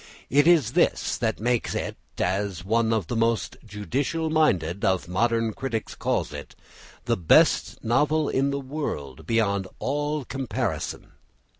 It is this that makes it, as one of the most judicial minded of modern critics calls it, "the best novel in the world beyond all comparison."